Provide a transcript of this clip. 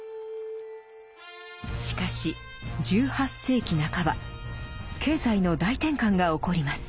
しかし１８世紀半ば経済の大転換が起こります。